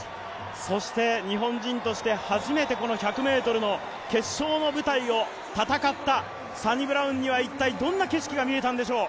そして、日本人として初めて１００ｍの決勝の舞台を戦った、サニブラウンには一体、どんな景色が見えたんでしょう？